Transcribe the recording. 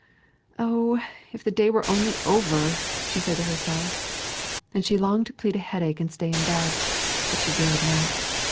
"Oh, if the day were only over!" she said to herself; and she longed to plead a headache and stay in bed, but she dared not.